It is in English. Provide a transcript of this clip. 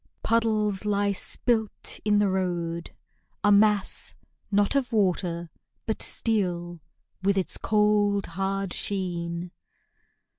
Puddles lie spilt in the road a mass, not Of water, but steel, with its cold, hard sheen.